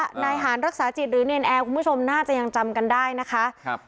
สหรัฐฐานรักษาจิตหรือเนนแอร์คุณผู้ชมน่าจะยังจำกันได้ยังไหม